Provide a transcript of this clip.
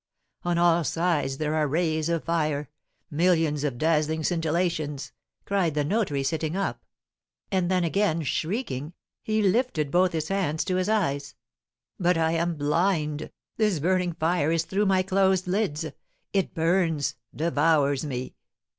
On all sides, there are rays of fire millions of dazzling scintillations!" cried the notary, sitting up. And then again shrieking, he lifted both his hands to his eyes: "But I am blind; this burning fire is through my closed lids, it burns devours me!